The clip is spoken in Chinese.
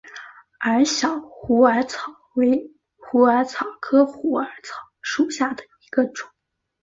矮小虎耳草为虎耳草科虎耳草属下的一个种。